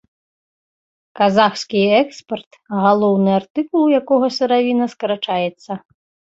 Казахскі экспарт, галоўны артыкул якога сыравіна, скарачаецца.